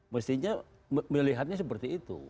mestinya melihatnya seperti itu